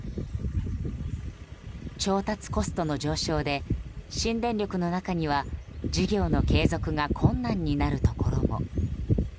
調達コストの上昇で新電力の中には事業の継続が困難になるところも。